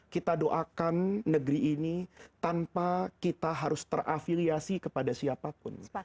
kita doakan negeri ini tanpa kita harus terafiliasi kepada siapapun